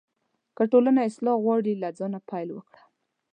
که ټولنه اصلاح غواړې، له ځانه پیل وکړه.